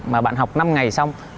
mà bạn học năm ngày xong